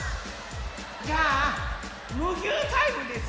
じゃあムギュータイムですよ！